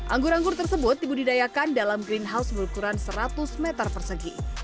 anggur anggur tersebut dibudidayakan dalam greenhouse berukuran seratus meter persegi